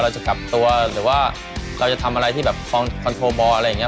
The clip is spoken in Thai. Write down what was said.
จะกลับตัวหรือว่าเราจะทำอะไรที่แบบคอนโทรบอลอะไรอย่างนี้